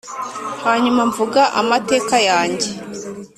hanyuma mvuga amateka yanjye